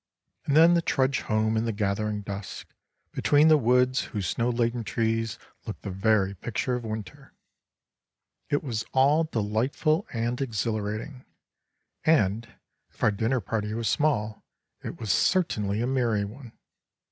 And then the trudge home in the gathering dusk, between the woods whose snow laden trees looked the very picture of winter, it was all delightful and exhilarating, and, if our dinner party was small, it was certainly a merry one.